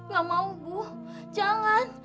gak mau bu jangan